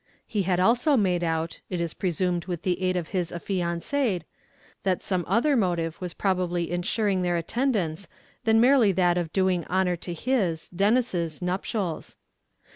He had also made out, it is presumed with the aid of his affianced, that some other motive was probably ensuring their attendance than merely that of doing honour to his, Denis's, nuptials.